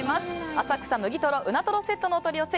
浅草むぎとろ、うなとろセットのお取り寄せ。